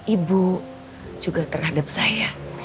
ibu juga terhadap saya